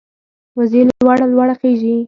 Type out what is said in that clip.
وزې لوړه لوړه خېژي